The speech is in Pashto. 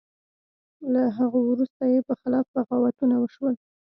له هغه وروسته یې په خلاف بغاوتونه وشول.